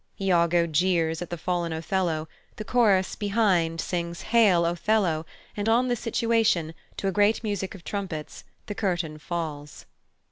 Iago jeers at the fallen Othello, the chorus, behind, sings "Hail, Othello," and on this situation, to a great music of trumpets, the curtain falls.